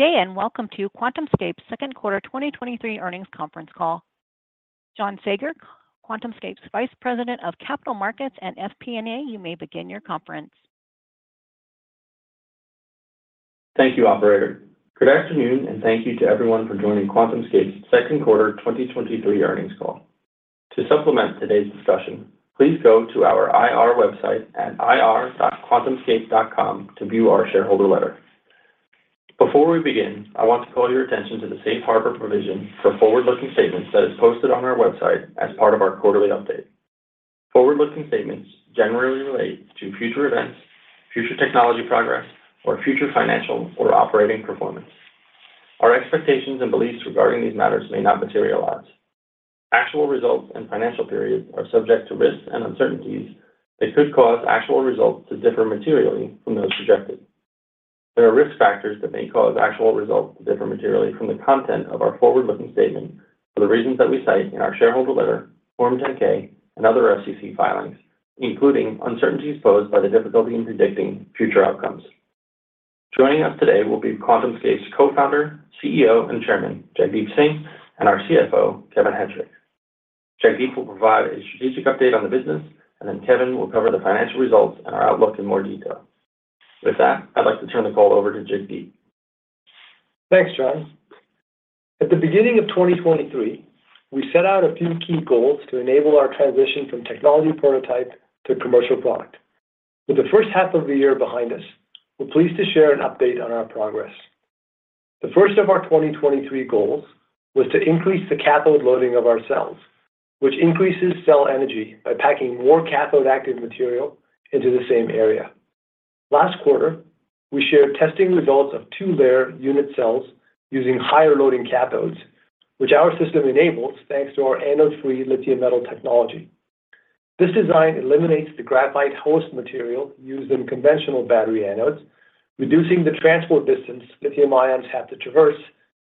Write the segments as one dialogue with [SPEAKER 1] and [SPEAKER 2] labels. [SPEAKER 1] Good day, welcome to QuantumScape's second quarter 2023 earnings conference call. John Saager, QuantumScape's Vice President of Capital Markets and FP&A, you may begin your conference.
[SPEAKER 2] Thank you, operator. Good afternoon, and thank you to everyone for joining QuantumScape's second quarter 2023 earnings call. To supplement today's discussion, please go to our IR website at ir.quantumscape.com to view our shareholder letter. Before we begin, I want to call your attention to the Safe Harbor provision for forward-looking statements that is posted on our website as part of our quarterly update. Forward-looking statements generally relate to future events, future technology progress, or future financial or operating performance. Our expectations and beliefs regarding these matters may not materialize. Actual results and financial periods are subject to risks and uncertainties that could cause actual results to differ materially from those projected. There are risk factors that may cause actual results to differ materially from the content of our forward-looking statements for the reasons that we cite in our shareholder letter, Form 10-K and other SEC filings, including uncertainties posed by the difficulty in predicting future outcomes. Joining us today will be QuantumScape's Co-founder, CEO, and Chairman, Jagdeep Singh, and our CFO, Kevin Hettrich. Jagdeep will provide a strategic update on the business, and then Kevin will cover the financial results and our outlook in more detail. With that, I'd like to turn the call over to Jagdeep.
[SPEAKER 3] Thanks, John. At the beginning of 2023, we set out a few key goals to enable our transition from technology prototype to commercial product. With the first half of the year behind us, we're pleased to share an update on our progress. The first of our 2023 goals was to increase the cathode loading of our cells, which increases cell energy by packing more cathode active material into the same area. Last quarter, we shared testing results of two-layer unit cells using higher-loading cathodes, which our system enables thanks to our anode-free lithium-metal technology. This design eliminates the graphite host material used in conventional battery anodes, reducing the transport distance lithium ions have to traverse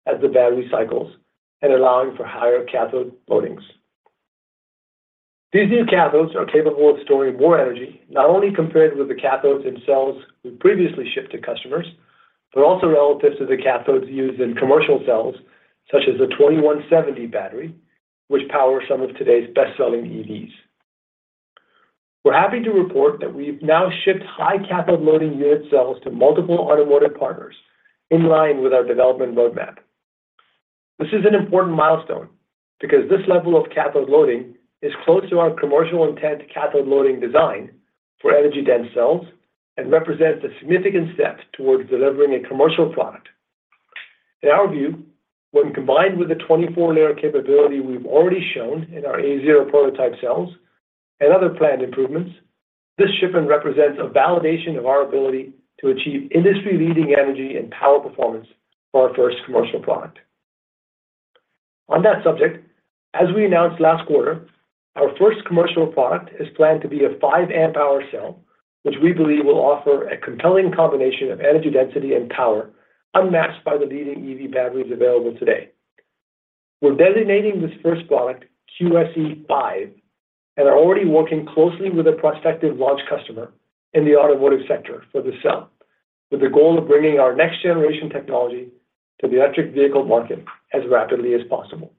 [SPEAKER 3] as the battery cycles and allowing for higher cathode loadings. These new cathodes are capable of storing more energy, not only compared with the cathodes in cells we previously shipped to customers, but also relative to the cathodes used in commercial cells, such as the 2170 battery, which power some of today's best-selling EVs. We're happy to report that we've now shipped high cathode loading unit cells to multiple automotive partners in line with our development roadmap. This is an important milestone because this level of cathode loading is close to our commercial intent cathode loading design for energy-dense cells and represents a significant step towards delivering a commercial product. In our view, when combined with the 24-layer capability we've already shown in our A0 prototype cells and other planned improvements, this shipment represents a validation of our ability to achieve industry-leading energy and power performance for our first commercial product. On that subject, as we announced last quarter, our first commercial product is planned to be a 5 Ah cell, which we believe will offer a compelling combination of energy density and power unmatched by the leading EV batteries available today. We're designating this first product QSE-5 and are already working closely with a prospective launch customer in the automotive sector for the cell, with the goal of bringing our next-generation technology to the electric vehicle market as rapidly as possible.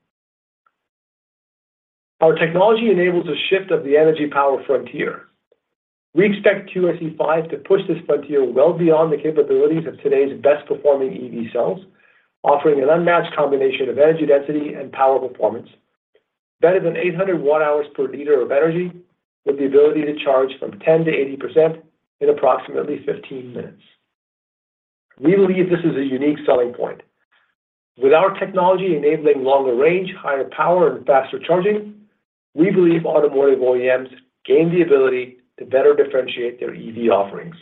[SPEAKER 3] Our technology enables a shift of the energy power frontier. We expect QSE-5 to push this frontier well beyond the capabilities of today's best-performing EV cells, offering an unmatched combination of energy density and power performance, better than 800 Wh/L of energy, with the ability to charge from 10%-80% in approximately 15 minutes. We believe this is a unique selling point. With our technology enabling longer range, higher power, and faster charging, we believe automotive OEMs gain the ability to better differentiate their EV offerings.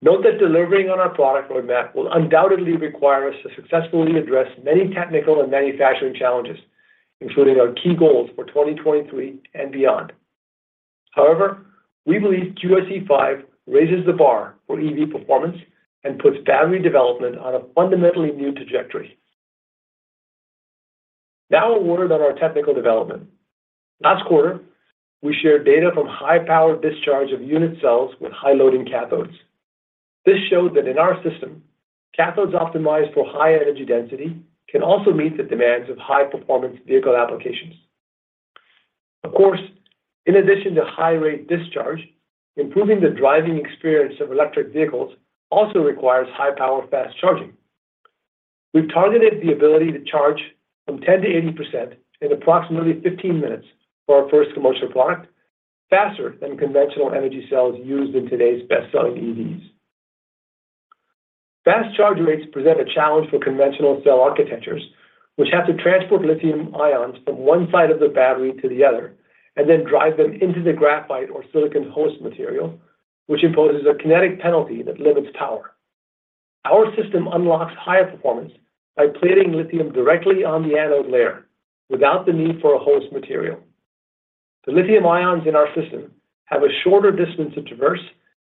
[SPEAKER 3] Note that delivering on our product roadmap will undoubtedly require us to successfully address many technical and manufacturing challenges, including our key goals for 2023 and beyond. However, we believe QSE-5 raises the bar for EV performance and puts battery development on a fundamentally new trajectory. Now, a word on our technical development. Last quarter, we shared data from high-power discharge of unit cells with high-loading cathodes. This showed that in our system, cathodes optimized for high energy density can also meet the demands of high-performance vehicle applications. Of course, in addition to high-rate discharge, improving the driving experience of electric vehicles also requires high-power fast charging. We've targeted the ability to charge from 10% to 80% in approximately 15 minutes for our first commercial product, faster than conventional energy cells used in today's best-selling EVs. Fast charge rates present a challenge for conventional cell architectures, which have to transport lithium ions from one side of the battery to the other, and then drive them into the graphite or silicon host material, which imposes a kinetic penalty that limits power. Our system unlocks higher performance by plating lithium directly on the anode layer without the need for a host material. The lithium ions in our system have a shorter distance to traverse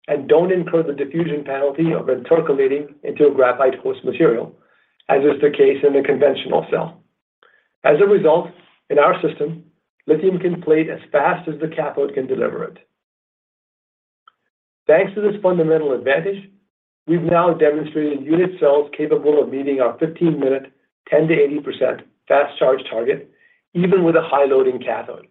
[SPEAKER 3] and don't incur the diffusion penalty of intercalating into a graphite host material, as is the case in a conventional cell. As a result, in our system, lithium can plate as fast as the cathode can deliver it. Thanks to this fundamental advantage, we've now demonstrated unit cells capable of meeting our 15-minute, 10%-80% fast charge target, even with a high-loading cathode.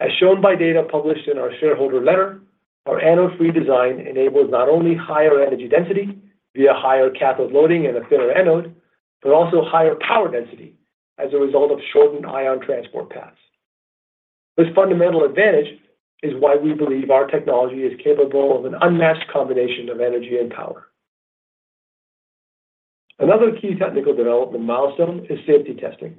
[SPEAKER 3] As shown by data published in our shareholder letter, our anode-free design enables not only higher energy density via higher cathode loading and a thinner anode, but also higher power density as a result of shortened ion transport paths. This fundamental advantage is why we believe our technology is capable of an unmatched combination of energy and power. Another key technical development milestone is safety testing.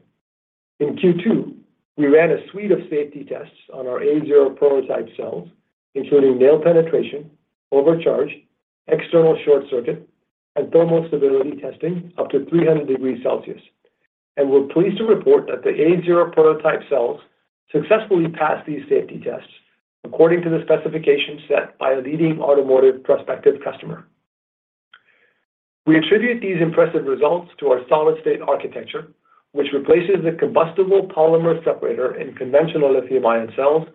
[SPEAKER 3] In Q2, we ran a suite of safety tests on our A0 prototype cells, including nail penetration, overcharge, external short circuit, and thermal stability testing up to 300 degrees Celsius. We're pleased to report that the A0 prototype cells successfully passed these safety tests according to the specifications set by a leading automotive prospective customer. We attribute these impressive results to our solid-state architecture, which replaces the combustible polymer separator in conventional lithium-ion cells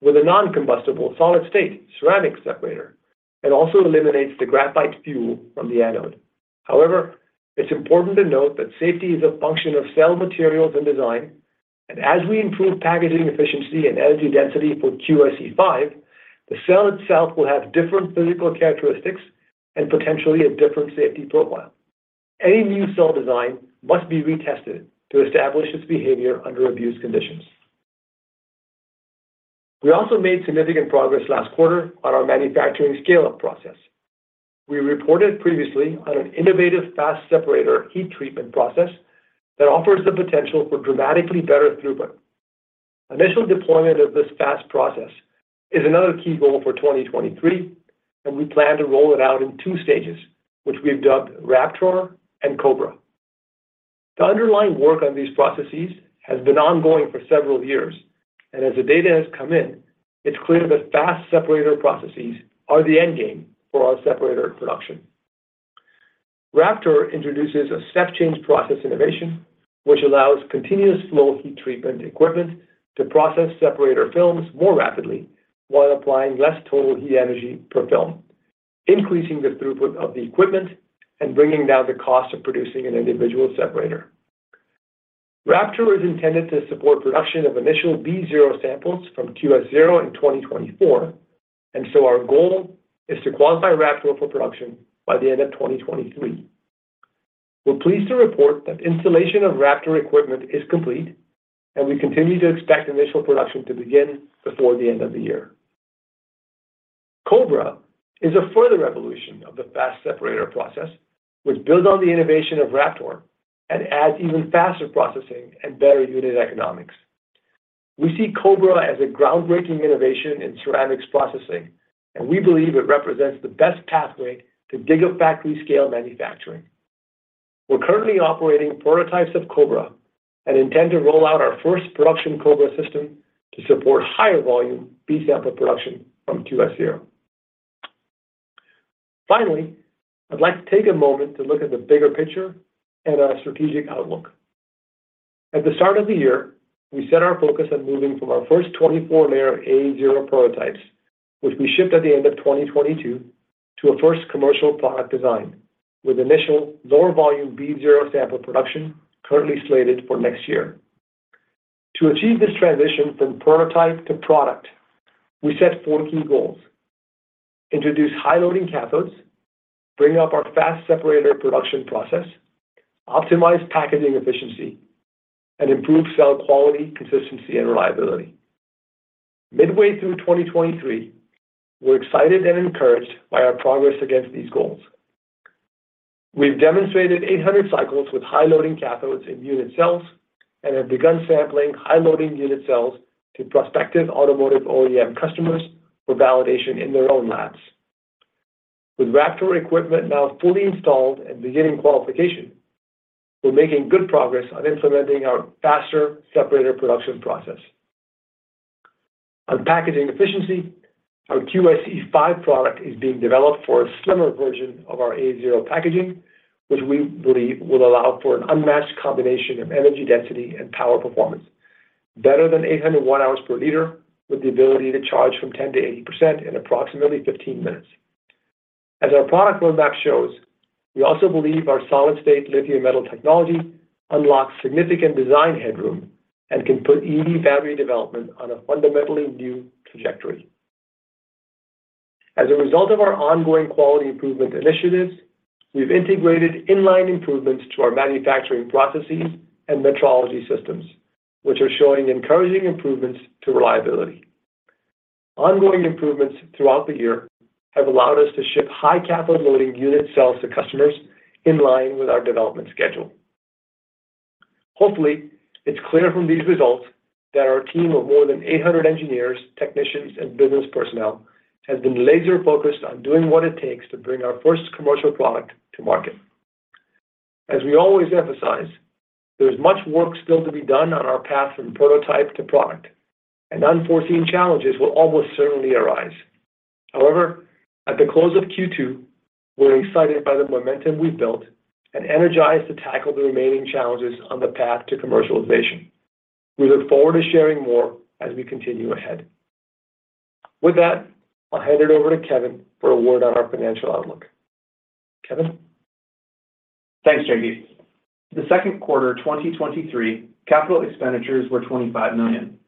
[SPEAKER 3] with a non-combustible solid-state ceramic separator, and also eliminates the graphite fuel from the anode. However, it's important to note that safety is a function of cell materials and design, and as we improve packaging efficiency and energy density for QSE-5, the cell itself will have different physical characteristics and potentially a different safety profile. Any new cell design must be retested to establish its behavior under abuse conditions. We also made significant progress last quarter on our manufacturing scale-up process. We reported previously on an innovative fast separator heat treatment process that offers the potential for dramatically better throughput. Initial deployment of this fast process is another key goal for 2023, and we plan to roll it out in two stages, which we've dubbed Raptor and Cobra. The underlying work on these processes has been ongoing for several years, and as the data has come in, it's clear that fast separator processes are the end game for our separator production. Raptor introduces a step-change process innovation, which allows continuous flow heat treatment equipment to process separator films more rapidly while applying less total heat energy per film, increasing the throughput of the equipment and bringing down the cost of producing an individual separator. Raptor is intended to support production of initial B0 samples from QS-0 in 2024, our goal is to qualify Raptor for production by the end of 2023. We're pleased to report that installation of Raptor equipment is complete, we continue to expect initial production to begin before the end of the year. Cobra is a further evolution of the fast separator process, which builds on the innovation of Raptor and adds even faster processing and better unit economics. We see Cobra as a groundbreaking innovation in ceramics processing, and we believe it represents the best pathway to gigafactory scale manufacturing. We're currently operating prototypes of Cobra and intend to roll out our first production Cobra system to support higher volume B sample production from QS-0. Finally, I'd like to take a moment to look at the bigger picture and our strategic outlook. At the start of the year, we set our focus on moving from our first 24-layer A0 prototypes, which we shipped at the end of 2022, to a first commercial product design, with initial lower volume B0 sample production currently slated for next year. To achieve this transition from prototype to product, we set four key goals: introduce high-loading cathodes, bring up our fast separator production process, optimize packaging efficiency, and improve cell quality, consistency, and reliability. Midway through 2023, we're excited and encouraged by our progress against these goals. We've demonstrated 800 cycles with high-loading cathodes in unit cells and have begun sampling high-loading unit cells to prospective automotive OEM customers for validation in their own labs. With Raptor equipment now fully installed and beginning qualification, we're making good progress on implementing our faster separator production process. On packaging efficiency, our QSE-5 product is being developed for a slimmer version of our A0 packaging, which we believe will allow for an unmatched combination of energy density and power performance, better than 800 Wh/L, with the ability to charge from 10%-80% in approximately 15 minutes. As our product roadmap shows, we also believe our solid-state lithium-metal technology unlocks significant design headroom and can put EV battery development on a fundamentally new trajectory. As a result of our ongoing quality improvement initiatives, we've integrated inline improvements to our manufacturing processes and metrology systems, which are showing encouraging improvements to reliability. Ongoing improvements throughout the year have allowed us to ship high-cathode loading unit cells to customers in line with our development schedule. Hopefully, it's clear from these results that our team of more than 800 engineers, technicians, and business personnel has been laser-focused on doing what it takes to bring our first commercial product to market. As we always emphasize, there is much work still to be done on our path from prototype to product, and unforeseen challenges will almost certainly arise. At the close of Q2, we're excited by the momentum we've built and energized to tackle the remaining challenges on the path to commercialization.
[SPEAKER 2] We look forward to sharing more as we continue ahead. With that, I'll hand it over to Kevin for a word on our financial outlook. Kevin?
[SPEAKER 4] Thanks, Jagdeep. The second quarter 2023, capital expenditures were $25 million.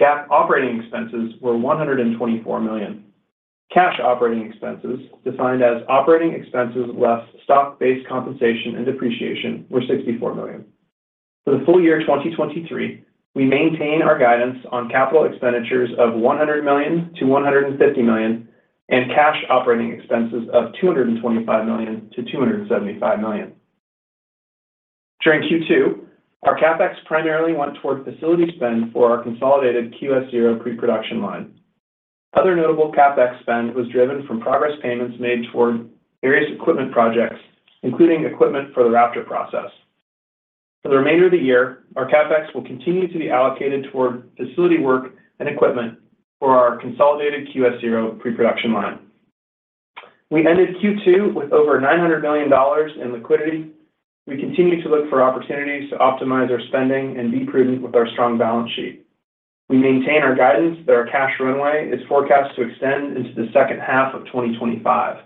[SPEAKER 4] GAAP operating expenses were $124 million. Cash operating expenses, defined as operating expenses less stock-based compensation and depreciation, were $64 million. For the full year 2023, we maintain our guidance on capital expenditures of $100 million-$150 million, and cash operating expenses of $225 million-$275 million. During Q2, our CapEx primarily went toward facility spend for our consolidated QS-0 pre-production line. Other notable CapEx spend was driven from progress payments made toward various equipment projects, including equipment for the Raptor process. For the remainder of the year, our CapEx will continue to be allocated toward facility work and equipment for our consolidated QS-0 pre-production line. We ended Q2 with over $900 million in liquidity. We continue to look for opportunities to optimize our spending and be prudent with our strong balance sheet. We maintain our guidance that our cash runway is forecast to extend into the second half of 2025.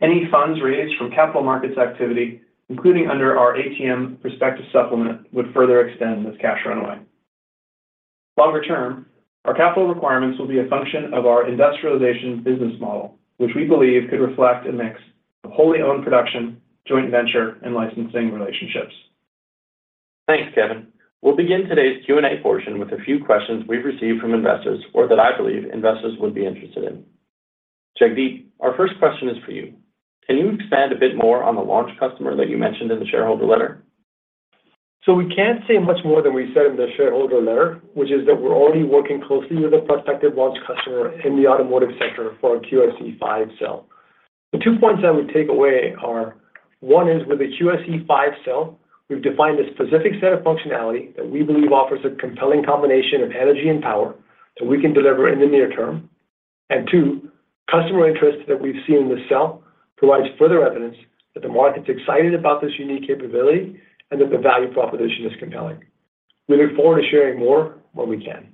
[SPEAKER 4] Any funds raised from capital markets activity, including under our ATM prospectus supplement, would further extend this cash runway. Longer term, our capital requirements will be a function of our industrialization business model, which we believe could reflect a mix of wholly owned production, joint venture, and licensing relationships.
[SPEAKER 2] Thanks, Kevin. We'll begin today's Q&A portion with a few questions we've received from investors or that I believe investors would be interested in. Jagdeep, our first question is for you. Can you expand a bit more on the launch customer that you mentioned in the shareholder letter?
[SPEAKER 3] We can't say much more than we said in the shareholder letter, which is that we're already working closely with a prospective launch customer in the automotive sector for our QSE-5 cell. The two points I would take away are: one is with the QSE-5 cell, we've defined a specific set of functionality that we believe offers a compelling combination of energy and power that we can deliver in the near term. Two, customer interest that we've seen in the cell provides further evidence that the market's excited about this unique capability and that the value proposition is compelling. We look forward to sharing more when we can.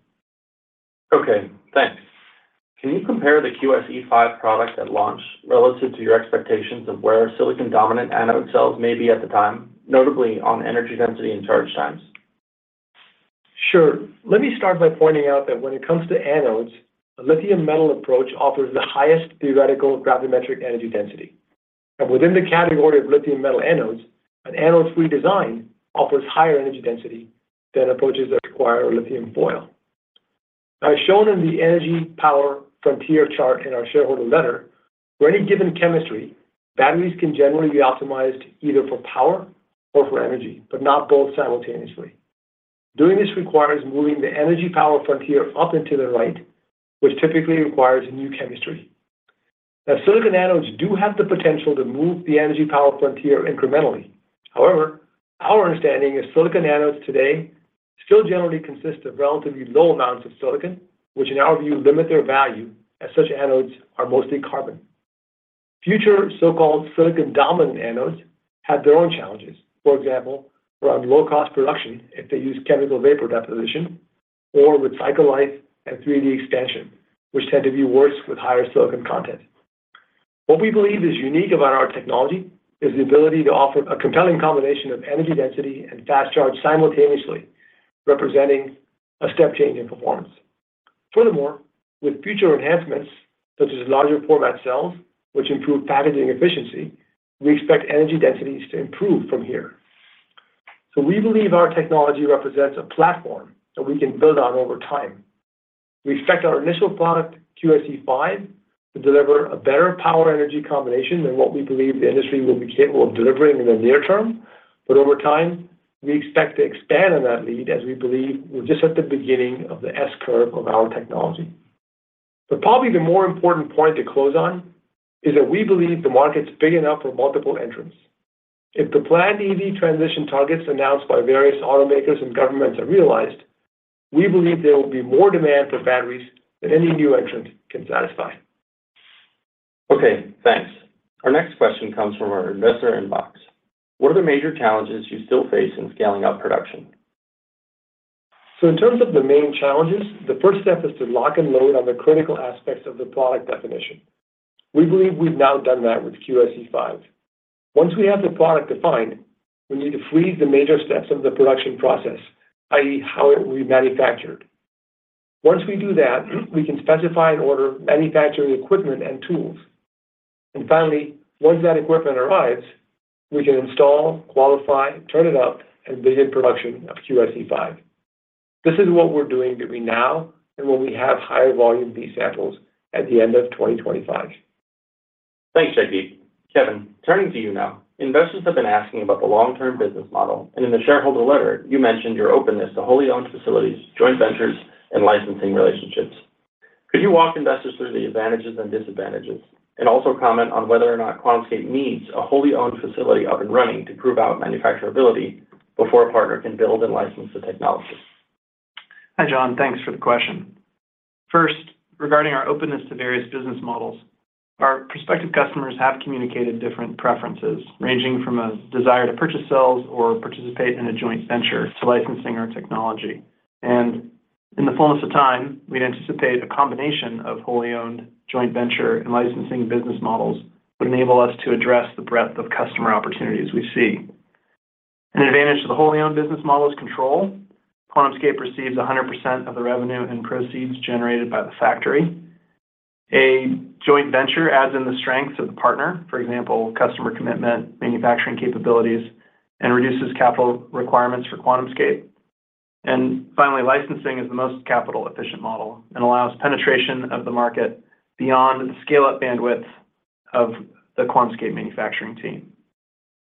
[SPEAKER 2] Okay, thanks. Can you compare the QSE-5 product at launch relative to your expectations of where silicon-dominant anode cells may be at the time, notably on energy density and charge times?
[SPEAKER 3] Sure. Let me start by pointing out that when it comes to anodes, a lithium-metal approach offers the highest theoretical gravimetric energy density. Within the category of lithium-metal anodes, an anode-free design offers higher energy density than approaches that require a lithium foil. As shown in the energy power frontier chart in our shareholder letter, for any given chemistry, batteries can generally be optimized either for power or for energy, but not both simultaneously. Doing this requires moving the energy power frontier up and to the right, which typically requires a new chemistry. Silicon anodes do have the potential to move the energy power frontier incrementally. However, our understanding is silicon anodes today still generally consist of relatively low amounts of silicon, which in our view limit their value, as such anodes are mostly carbon. Future so-called silicon-dominant anodes have their own challenges. For example, around low-cost production if they use chemical vapor deposition, or with cycle life and 3D expansion, which tend to be worse with higher silicon content. What we believe is unique about our technology is the ability to offer a compelling combination of energy density and fast charge simultaneously, representing a step change in performance. With future enhancements, such as larger format cells, which improve packaging efficiency, we expect energy densities to improve from here. We believe our technology represents a platform that we can build on over time. We expect our initial product, QSE-5, to deliver a better power-energy combination than what we believe the industry will be capable of delivering in the near term. Over time, we expect to expand on that lead as we believe we're just at the beginning of the S-curve of our technology. Probably the more important point to close on is that we believe the market's big enough for multiple entrants. If the planned EV transition targets announced by various automakers and governments are realized, we believe there will be more demand for batteries than any new entrant can satisfy.
[SPEAKER 2] Okay, thanks. Our next question comes from our investor inbox. What are the major challenges you still face in scaling up production?
[SPEAKER 3] In terms of the main challenges, the first step is to lock and load on the critical aspects of the product definition. We believe we've now done that with QSE-5. Once we have the product defined, we need to freeze the major steps of the production process, i.e., how it will be manufactured. Once we do that, we can specify and order manufacturing equipment and tools. Finally, once that equipment arrives, we can install, qualify, turn it up, and begin production of QSE-5. This is what we're doing between now and when we have higher volume B-samples at the end of 2025.
[SPEAKER 2] Thanks, Jagdeep. Kevin, turning to you now. Investors have been asking about the long-term business model, and in the shareholder letter, you mentioned your openness to wholly owned facilities, joint ventures, and licensing relationships. Could you walk investors through the advantages and disadvantages and also comment on whether or not QuantumScape needs a wholly owned facility up and running to prove out manufacturability before a partner can build and license the technology?
[SPEAKER 4] Hi, John. Thanks for the question. First, regarding our openness to various business models, our prospective customers have communicated different preferences, ranging from a desire to purchase cells or participate in a joint venture to licensing our technology. In the fullness of time, we'd anticipate a combination of wholly owned joint venture and licensing business models would enable us to address the breadth of customer opportunities we see. An advantage to the wholly owned business model is control. QuantumScape receives 100% of the revenue and proceeds generated by the factory. A joint venture adds in the strength of the partner, for example, customer commitment, manufacturing capabilities, and reduces capital requirements for QuantumScape. Finally, licensing is the most capital-efficient model and allows penetration of the market beyond the scale-up bandwidth of the QuantumScape manufacturing team.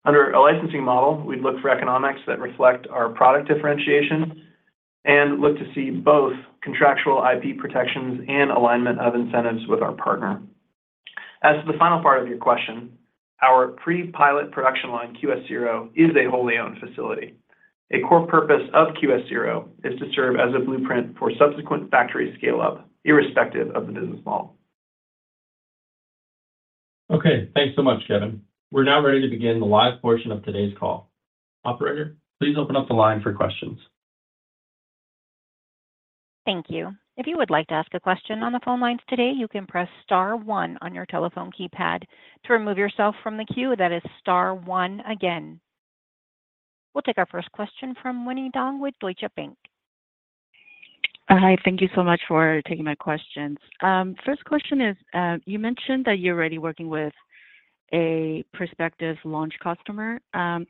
[SPEAKER 4] Under a licensing model, we'd look for economics that reflect our product differentiation and look to see both contractual IP protections and alignment of incentives with our partner. As to the final part of your question, our pre-pilot production line, QS-0, is a wholly owned facility. A core purpose of QS-0 is to serve as a blueprint for subsequent factory scale-up, irrespective of the business model.
[SPEAKER 2] Okay, thanks so much, Kevin. We're now ready to begin the live portion of today's call. Operator, please open up the line for questions.
[SPEAKER 1] Thank you. If you would like to ask a question on the phone lines today, you can press star one on your telephone keypad. To remove yourself from the queue, that is star one again. We'll take our first question from Winnie Dong with Deutsche Bank.
[SPEAKER 5] Hi, thank you so much for taking my questions. First question is, you mentioned that you're already working with a prospective launch customer. Can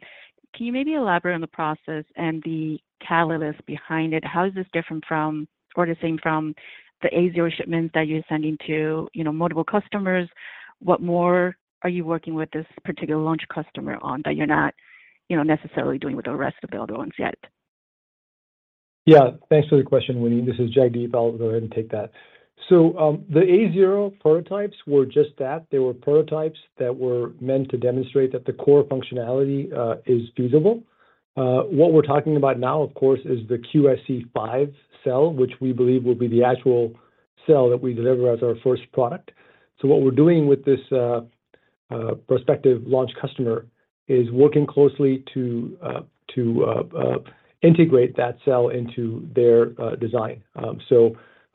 [SPEAKER 5] you maybe elaborate on the process and the catalyst behind it? How is this different from or the same from the A0 shipments that you're sending to, you know, multiple customers? What more are you working with this particular launch customer on that you're not, you know, necessarily doing with the rest of the other ones yet?
[SPEAKER 3] Thanks for the question, Winnie. This is Jagdeep. I'll go ahead and take that. The A0 prototypes were just that. They were prototypes that were meant to demonstrate that the core functionality is feasible. What we're talking about now, of course, is the QSE-5 cell, which we believe will be the actual cell that we deliver as our first product. What we're doing with this prospective launch customer is working closely to integrate that cell into their design.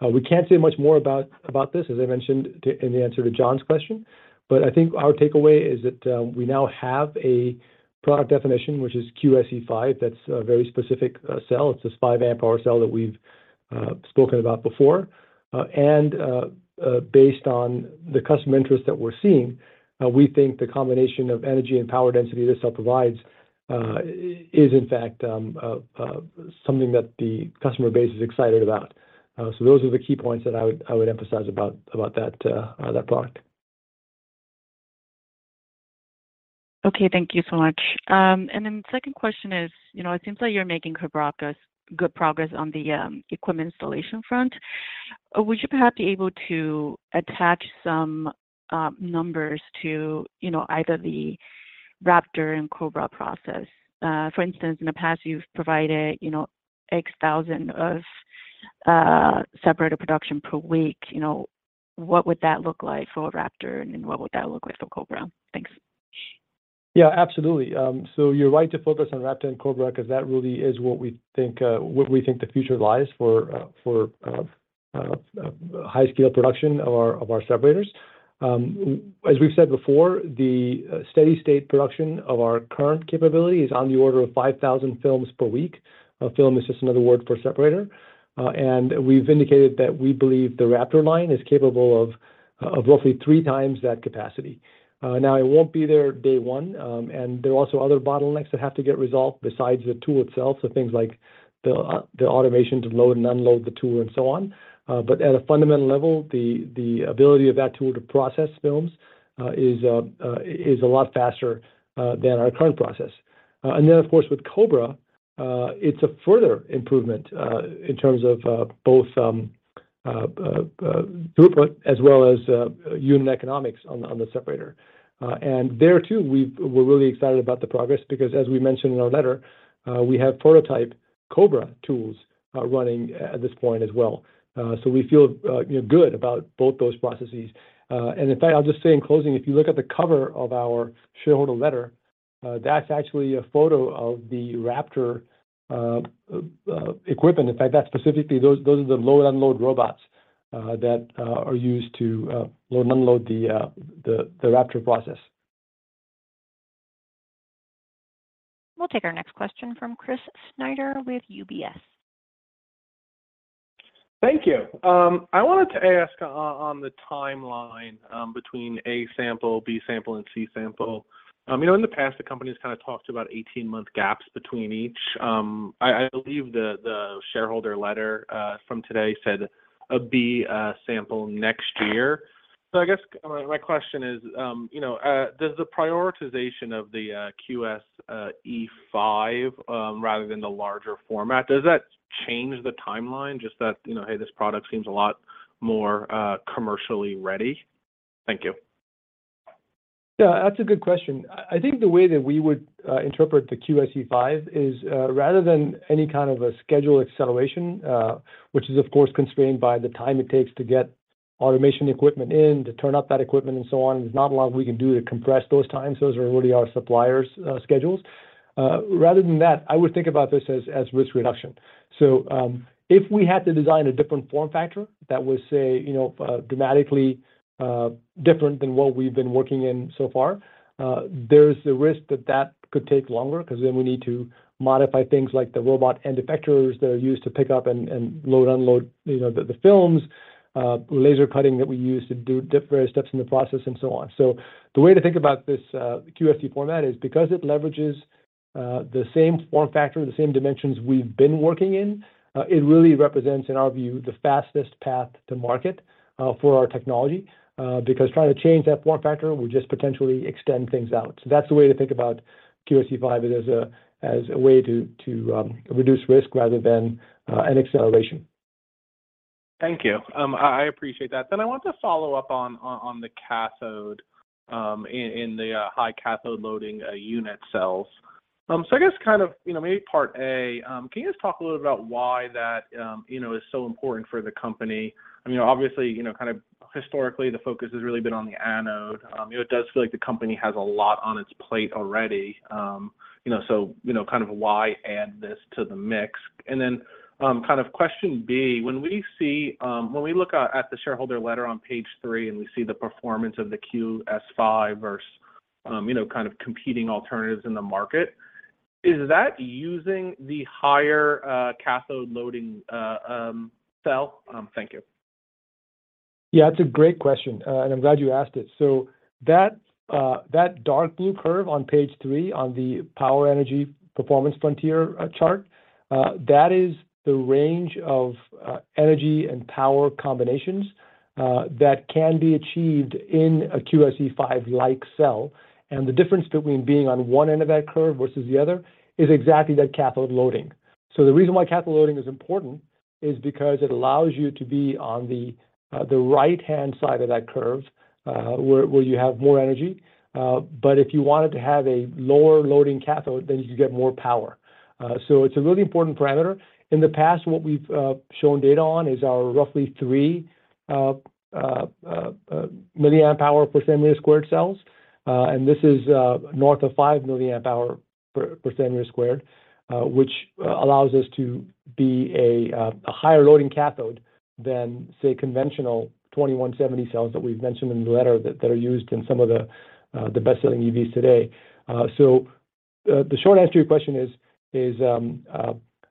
[SPEAKER 3] We can't say much more about this, as I mentioned in the answer to John's question, I think our takeaway is that we now have a product definition, which is QSE-5. That's a very specific cell. It's this 5 Ah cell that we've spoken about before. Based on the customer interest that we're seeing, we think the combination of energy and power density this cell provides, is in fact, something that the customer base is excited about. Those are the key points that I would emphasize about that product.
[SPEAKER 5] Okay, thank you so much. The second question is, you know, it seems like you're making progress, good progress on the equipment installation front. Would you perhaps be able to attach some numbers to, you know, either the Raptor and Cobra process? For instance, in the past, you've provided, you know, X thousand of separator production per week. You know, what would that look like for a Raptor, and what would that look like for Cobra? Thanks.
[SPEAKER 3] Yeah, absolutely. You're right to focus on Raptor and Cobra, because that really is what we think the future lies for high scale production of our separators. As we've said before, the steady state production of our current capability is on the order of 5,000 films per week. A film is just another word for separator. We've indicated that we believe the Raptor line is capable of roughly three times that capacity. It won't be there day one, and there are also other bottlenecks that have to get resolved besides the tool itself, so things like the automation to load and unload the tool and so on. At a fundamental level, the ability of that tool to process films is a lot faster than our current process. Then, of course, with Cobra, it's a further improvement in terms of both throughput as well as unit economics on the separator. There, too, we're really excited about the progress because, as we mentioned in our letter, we have prototype Cobra tools running at this point as well. We feel, you know, good about both those processes. In fact, I'll just say in closing, if you look at the cover of our shareholder letter, that's actually a photo of the Raptor equipment. In fact, that's specifically those are the load/unload robots, that, are used to, load and unload the, the Raptor process.
[SPEAKER 1] We'll take our next question from Chris Snyder with UBS.
[SPEAKER 6] Thank you. I wanted to ask on the timeline, between A-sample, B-samples, and C-sample. You know, in the past, the company's kind of talked about 18-month gaps between each. I believe the shareholder letter from today said a B-samples next year. I guess my question is, you know, does the prioritization of the QSE-5 rather than the larger format, does that change the timeline? Just that, you know, hey, this product seems a lot more commercially ready. Thank you.
[SPEAKER 3] Yeah, that's a good question. I think the way that we would interpret the QSE-5 is rather than any kind of a schedule acceleration, which is, of course, constrained by the time it takes to get automation equipment in, to turn up that equipment, and so on. There's not a lot we can do to compress those times. Those are really our suppliers', schedules. Rather than that, I would think about this as risk reduction. If we had to design a different form factor, that would say, you know, dramatically different than what we've been working in so far, there's a risk that that could take longer, 'cause then we need to modify things like the robot end effectors that are used to pick up and load, unload, you know, the films. Laser cutting that we use to do various steps in the process, and so on. The way to think about this QSE format is because it leverages the same form factor, the same dimensions we've been working in, it really represents, in our view, the fastest path to market for our technology. Because trying to change that form factor would just potentially extend things out. That's the way to think about QSE-5, is as a way to reduce risk rather than an acceleration.
[SPEAKER 6] Thank you. I appreciate that. I want to follow up on the cathode, in the high cathode loading, unit cells. I guess kind of, you know, maybe part A, can you just talk a little about why that, you know, is so important for the company? I mean, obviously, you know, kind of historically, the focus has really been on the anode. It does feel like the company has a lot on its plate already. You know, so, you know, kind of why add this to the mix? Kind of question B, when we see... When we look out at the shareholder letter on page three, and we see the performance of the QSE-5 versus, you know, kind of competing alternatives in the market, is that using the higher, cathode loading, cell? Thank you.
[SPEAKER 3] Yeah, that's a great question, and I'm glad you asked it. That, that dark blue curve on page 3, on the power energy performance frontier chart, that is the range of energy and power combinations, that can be achieved in a QSE-5-like cell. The difference between being on one end of that curve versus the other, is exactly that cathode loading. The reason why cathode loading is important, is because it allows you to be on the right-hand side of that curve, where you have more energy. If you wanted to have a lower loading cathode, then you could get more power. It's a really important parameter. In the past, what we've shown data on is our roughly 3 mAh/cm² cells. This is north of 5 mAh/cm², which allows us to be a higher loading cathode than, say, conventional 2170 cells that we've mentioned in the letter, that they are used in some of the best-selling EVs today. The short answer to your question is, you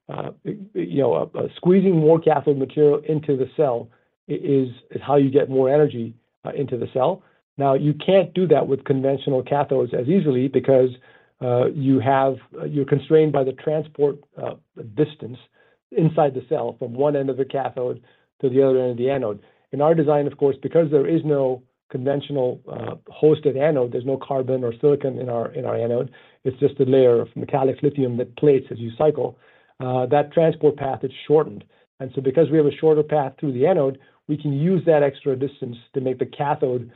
[SPEAKER 3] know, squeezing more cathode material into the cell is how you get more energy into the cell. Now, you can't do that with conventional cathodes as easily because you're constrained by the transport distance inside the cell, from one end of the cathode to the other end of the anode. In our design, of course, because there is no conventional, hosted anode, there's no carbon or silicon in our, in our anode, it's just a layer of metallic lithium that plates as you cycle. That transport path is shortened, because we have a shorter path through the anode, we can use that extra distance to make the cathode,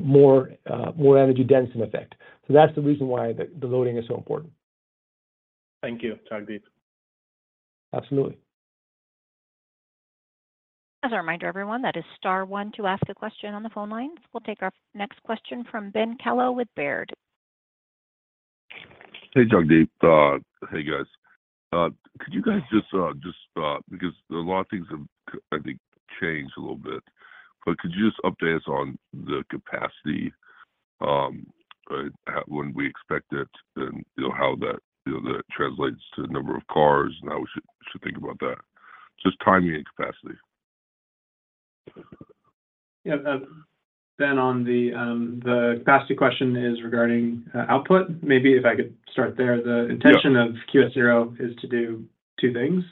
[SPEAKER 3] more, more energy dense in effect. That's the reason why the loading is so important.
[SPEAKER 6] Thank you, Jagdeep.
[SPEAKER 3] Absolutely.
[SPEAKER 1] As a reminder, everyone, that is star one to ask a question on the phone lines. We'll take our next question from Ben Kallo with Baird.
[SPEAKER 7] Hey, Jagdeep. Hey, guys. Could you guys just, because a lot of things have changed a little bit, but could you just update us on the capacity, When we expect it, and, you know, how that, you know, that translates to the number of cars, and how we should think about that? Just timing and capacity.
[SPEAKER 4] Yeah, Ben, on the capacity question is regarding output. Maybe if I could start there.
[SPEAKER 7] Yeah.
[SPEAKER 4] The intention of QS-0 is to do two things.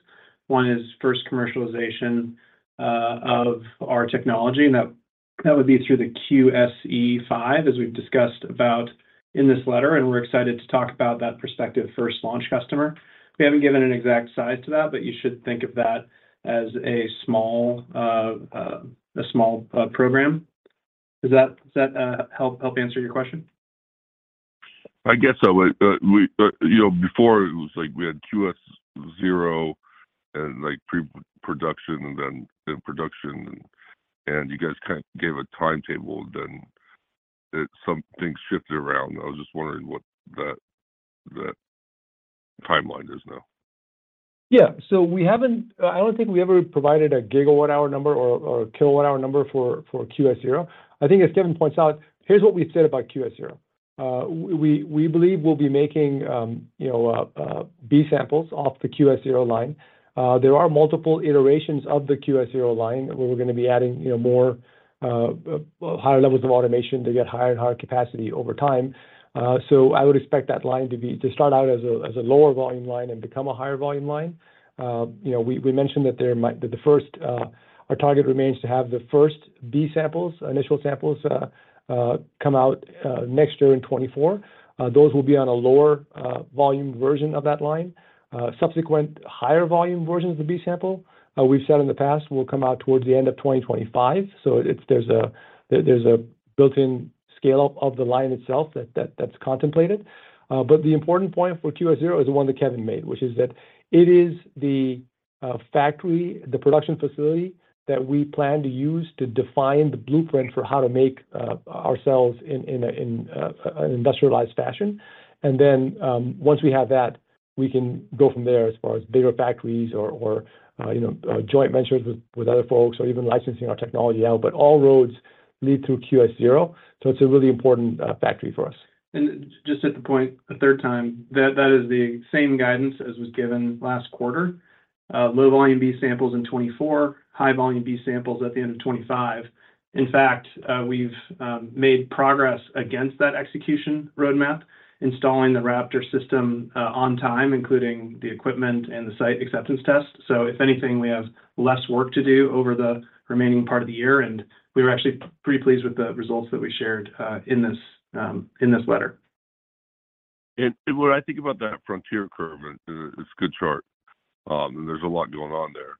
[SPEAKER 4] One is first commercialization of our technology, and that would be through the QSE-5, as we've discussed about in this letter, and we're excited to talk about that prospective first launch customer. We haven't given an exact size to that, but you should think of that as a small program. Does that help answer your question?
[SPEAKER 7] I guess so. We, you know, before it was like we had QS-0, and, like, pre-production, then production, and you guys kind of gave a timetable. Some things shifted around. I was just wondering what that timeline is now.
[SPEAKER 3] Yeah. So we haven't. I don't think we ever provided a gigawatt hour number or a kilowatt hour number for QS-0. I think as Kevin points out, here's what we've said about QS-0. We believe we'll be making, you know, B-samples off the QS-0 line. There are multiple iterations of the QS-0 line, where we're going to be adding, you know, more higher levels of automation to get higher and higher capacity over time. So I would expect that line to start out as a lower volume line and become a higher volume line. You know, we mentioned that the first. Our target remains to have the first B-samples, initial samples, come out next year in 2024. Those will be on a lower volume version of that line. Subsequent higher volume versions of the B-sample, we've said in the past, will come out towards the end of 2025. There's a built-in scale-up of the line itself that's contemplated. The important point for QS-0 is the one that Kevin made, which is that it is a factory, the production facility that we plan to use to define the blueprint for how to make ourselves in an industrialized fashion. Once we have that, we can go from there as far as bigger factories or, you know, joint ventures with other folks or even licensing our technology out. All roads lead through QS-0, so it's a really important factory for us.
[SPEAKER 4] Just hit the point a third time, that is the same guidance as was given last quarter. Low volume B-samples in 2024, high volume B-samples at the end of 2025. We've made progress against that execution roadmap, installing the Raptor system on time, including the equipment and the site acceptance test. If anything, we have less work to do over the remaining part of the year, and we were actually pretty pleased with the results that we shared in this in this letter.
[SPEAKER 7] When I think about that frontier curve, and it's a good chart, there's a lot going on there.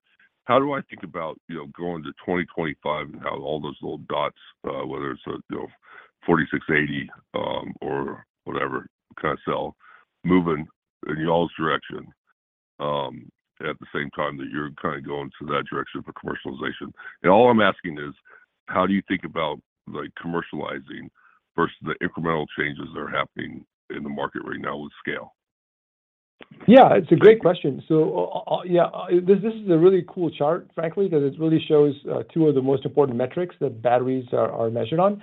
[SPEAKER 7] How do I think about, you know, going to 2025 and how all those little dots, whether it's a, you know, 4680, or whatever, kind of cell moving in y'all's direction, at the same time that you're kind of going to that direction for commercialization? All I'm asking is: how do you think about, like, commercializing versus the incremental changes that are happening in the market right now with scale?
[SPEAKER 3] Yeah, it's a great question. This is a really cool chart, frankly, because it really shows two of the most important metrics that batteries are measured on.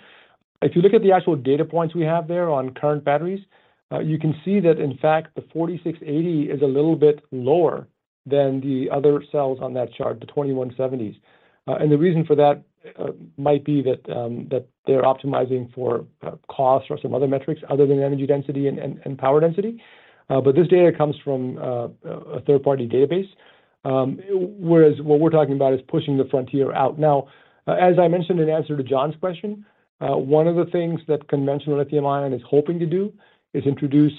[SPEAKER 3] If you look at the actual data points we have there on current batteries, you can see that in fact, the 4680 is a little bit lower than the other cells on that chart, the 2170s. The reason for that might be that they're optimizing for cost or some other metrics other than energy density and power density. This data comes from a third-party database, whereas what we're talking about is pushing the frontier out. Now, as I mentioned in answer to John's question, one of the things that conventional lithium ion is hoping to do is introduce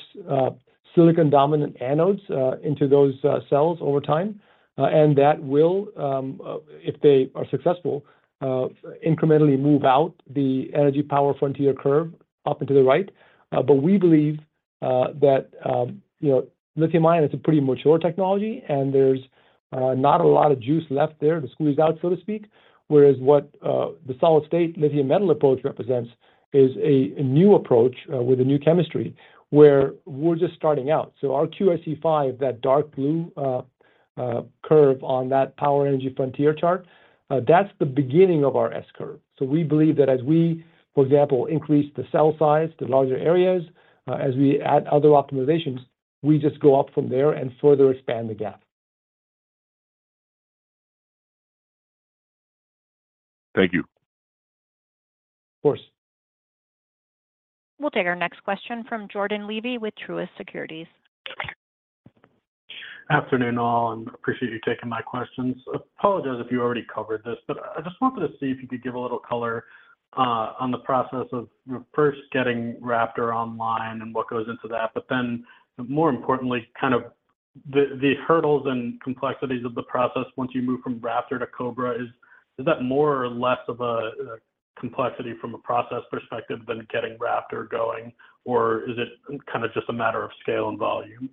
[SPEAKER 3] silicon-dominant anodes into those cells over time. That will, if they are successful, incrementally move out the energy power frontier curve up and to the right. We believe that, you know, lithium ion is a pretty mature technology, and there's not a lot of juice left there to squeeze out, so to speak. Whereas what the solid-state lithium-metal approach represents is a new approach with a new chemistry, where we're just starting out. Our QSE-5, that dark blue curve on that power energy frontier chart, that's the beginning of our S-curve. We believe that as we, for example, increase the cell size to larger areas, as we add other optimizations, we just go up from there and further expand the gap.
[SPEAKER 7] Thank you.
[SPEAKER 3] Of course.
[SPEAKER 1] We'll take our next question from Jordan Levy with Truist Securities.
[SPEAKER 8] Afternoon, all. Appreciate you taking my questions. Apologize if you already covered this. I just wanted to see if you could give a little color on the process of, you know, first getting Raptor online and what goes into that, but then, more importantly, kind of the hurdles and complexities of the process once you move from Raptor to Cobra. Is that more or less of a complexity from a process perspective than getting Raptor going, or is it kind of just a matter of scale and volume?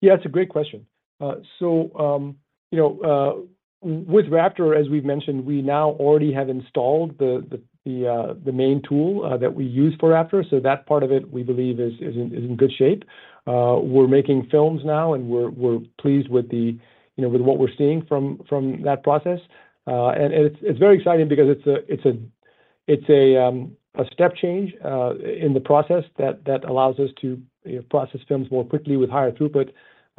[SPEAKER 3] Yeah, it's a great question. So, you know, with Raptor, as we've mentioned, we now already have installed the main tool that we use for Raptor. So that part of it, we believe is in good shape. We're making films now, and we're pleased with the, you know, with what we're seeing from that process. And it's very exciting because it's a step change in the process that allows us to, you know, process films more quickly with higher throughput,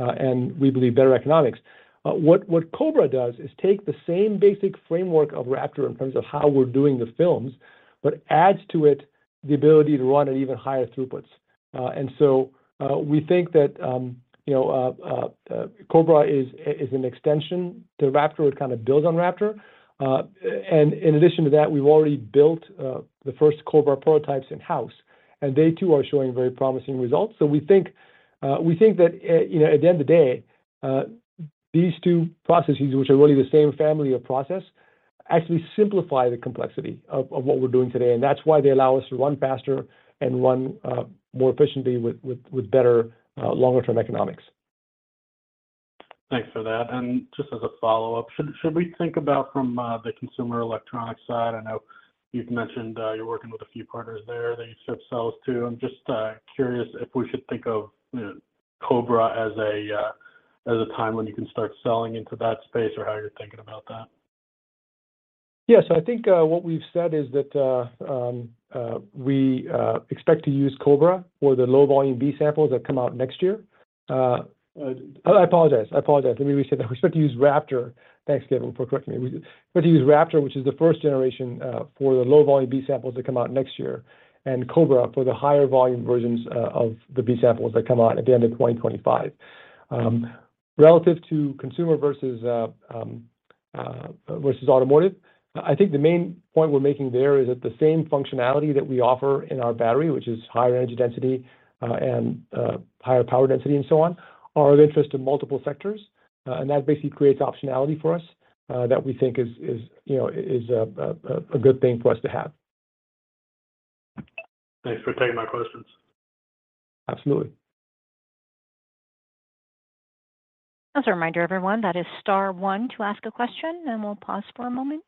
[SPEAKER 3] and we believe better economics. What Cobra does is take the same basic framework of Raptor in terms of how we're doing the films, but adds to it the ability to run at even higher throughputs. We think that, you know, Cobra is an extension to Raptor. It kind of builds on Raptor. In addition to that, we've already built, the first Cobra prototypes in-house, and they too are showing very promising results. We think, we think that, you know, at the end of the day, these two processes, which are really the same family of process, actually simplify the complexity of what we're doing today, and that's why they allow-us to run faster and run, more efficiently with better, longer-term economics.
[SPEAKER 8] Thanks for that. Just as a follow-up, should we think about from the consumer electronics side? I know you've mentioned, you're working with a few partners there that you ship cells to, I'm just curious if we should think of, you know, Cobra as a time when you can start selling into that space or how you're thinking about that?
[SPEAKER 3] Yes, I think, what we've said is that, we expect to use Cobra for the low volume B-samples that come out next year. I apologize. Let me restate that. We expect to use Raptor. Thanks, Gabriel, for correcting me. We expect to use Raptor, which is the first generation, for the low volume B-samples that come out next year, and Cobra for the higher volume versions of the B-samples that come out at the end of 2025. Relative to consumer versus versus automotive, I think the main point we're making there is that the same functionality that we offer in our battery, which is higher energy density, and higher power density and so on, are of interest in multiple sectors. That basically creates optionality for us, that we think is, you know, a good thing for us to have.
[SPEAKER 8] Thanks for taking my questions.
[SPEAKER 3] Absolutely.
[SPEAKER 1] As a reminder, everyone, that is star one to ask a question, and we'll pause for a moment.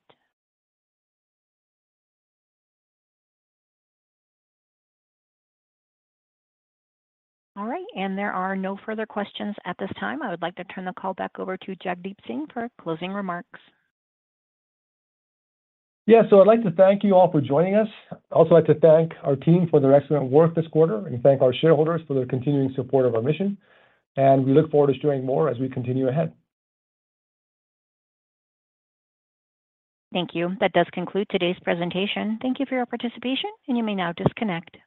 [SPEAKER 1] All right, there are no further questions at this time. I would like to turn the call back over to Jagdeep Singh for closing remarks.
[SPEAKER 3] Yeah. I'd like to thank you all for joining us. I'd also like to thank our team for their excellent work this quarter and thank our shareholders for their continuing support of our mission, and we look forward to sharing more as we continue ahead.
[SPEAKER 1] Thank you. That does conclude today's presentation. Thank you for your participation. You may now disconnect.